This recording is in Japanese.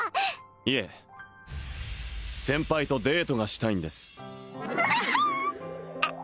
いえ先輩とデートがしたいんですんあっ！？